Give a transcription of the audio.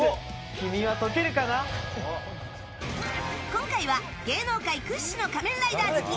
今回は芸能界屈指の仮面ライダー好き